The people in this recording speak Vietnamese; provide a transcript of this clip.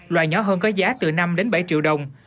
loại nhỏ hơn có giá từ năm đến bảy triệu đồng